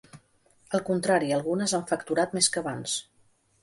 Al contrari, algunes han facturat més que abans.